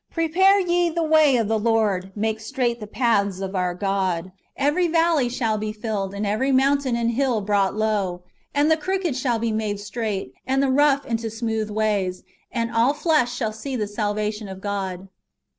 Prepare ye the way of the Lord, make straight the paths of our God. Every valley shall be filled, and every mountain and hill brought low; and the crooked shall be made straight, and the rousfh into smooth ways ; and all flesh shall see the salvation of God."